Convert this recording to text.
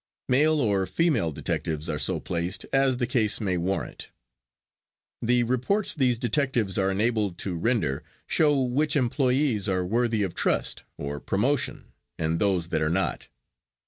Male or female detectives are so placed, as the case may warrant. The reports these detectives are enabled to render show which employees are worthy of trust or promotion and those that are not.